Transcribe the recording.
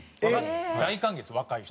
大歓迎です若い人。